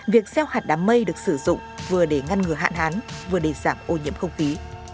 việc gieo hạt đám mây được sử dụng vừa để ngăn ngừa hạn hán vừa để giảm ô nhiễm không khí